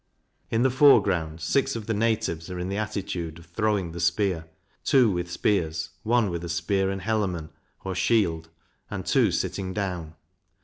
In the fore ground, six of the Natives are in the attitude of throwing the spear; two with spears; one with a spear and helemon, or shield; and two sitting down.